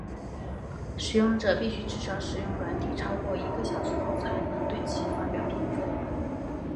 使用者必须至少使用软体超过一个小时后才能对其发表评分。